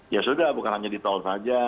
ya sudah bukan hanya di tol saja